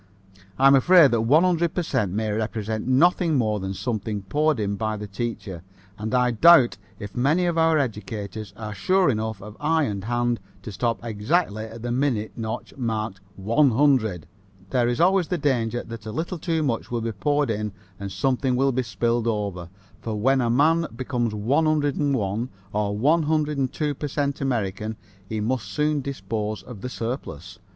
I'm afraid that the 100 per cent may represent nothing more than something poured in by the teacher, and I doubt if many of our educators are sure enough of eye and hand to stop exactly at the minute notch marked 100. There is always the danger that a little too much will be poured in and something will be spilled over, for when a man becomes 101 or 102 per cent American he must soon dispose of the surplus.